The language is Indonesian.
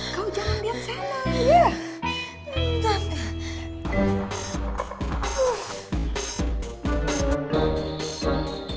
kau jangan lihat salah ya